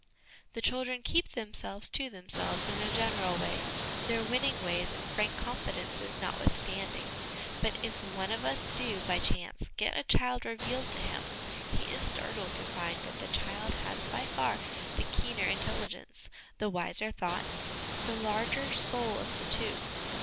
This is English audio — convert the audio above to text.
The children keep themselves to themselves in a general way, their winning ways and frank confidences notwithstanding ; but if one of us do, by chance, get a child revealed to him, he is startled to find that the child has by far the keener intelligence, the wiser thoughts, the larger soul of the two.